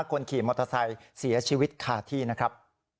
คนขี่มอเตอร์ไซค์เสียชีวิตคาที่นะครับ